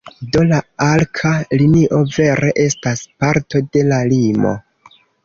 Do la arka linio vere estas parto de la limo.